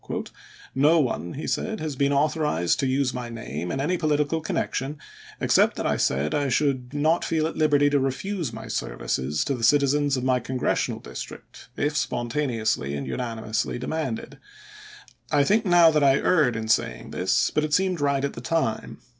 "No one," he said, "has been authorized to use my name, in any political connection, except that I said I should not feel at liberty to refuse my services to the citizens of my congressional district if spon taneously and unanimously demanded. I think now that I erred in saying this ; but it seemed right at the time.